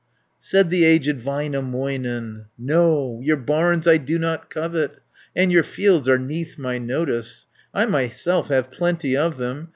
Said the aged Väinämöinen, "No, your barns I do not covet, And your fields are 'neath my notice, I myself have plenty of them.